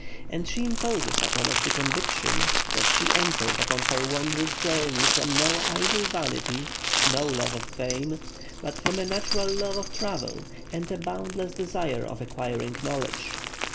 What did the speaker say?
And she imposes upon us the conviction that she entered upon her wondrous journeys from no idle vanity, no love of fame, but from a natural love of travel, and a boundless desire of acquiring knowledge.